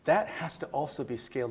itu juga harus